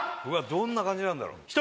どんな感じなんだろう？